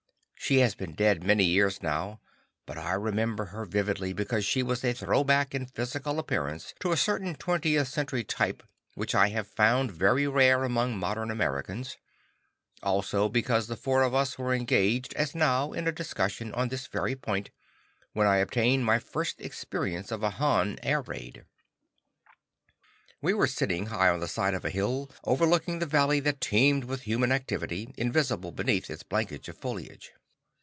She has been dead many years now, but I remember her vividly because she was a throwback in physical appearance to a certain 20th Century type which I have found very rare among modern Americans; also because the four of us were engaged one day in a discussion of this very point, when I obtained my first experience of a Han air raid. We were sitting high on the side of a hill overlooking the valley that teemed with human activity, invisible beneath its blanket of foliage.